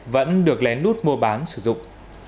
vẫn được lén nút mua bán sử dụng